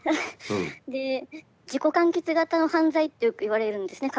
で自己完結型の犯罪ってよくいわれるんですね。